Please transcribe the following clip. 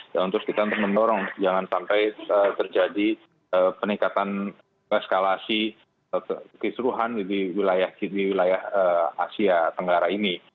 dan terus kita harus mendorong jangan sampai terjadi peningkatan eskalasi keseruhan di wilayah wilayah negara